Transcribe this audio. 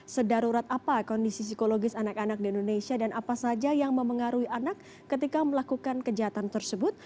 sedarurat apa kondisi psikologis anak anak di indonesia dan apa saja yang memengaruhi anak ketika melakukan kejahatan tersebut